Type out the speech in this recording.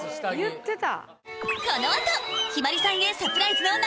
言ってた。